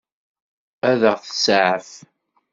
Ad ɣ-tseɛef?